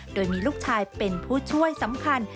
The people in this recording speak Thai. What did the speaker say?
โดยมีลูกชายเป็นผู้ช่วยสำคัญ